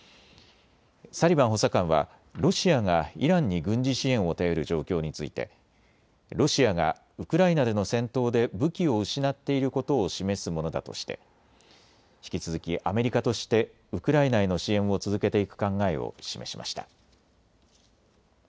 サリバン補佐官はロシアがイランに軍事支援を頼る状況についてロシアがウクライナでの戦闘で武器を失っていることを示すものだとして、引き続きアメリカとしてウクライナへの支援を続けていく考えを示しました。